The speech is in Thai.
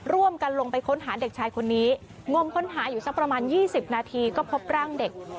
ร่วมกันลงไปค้นหาเด็กชายคนนี้งมค้นหาอยู่สักประมาณ๒๐นาทีก็พบร่างเด็ก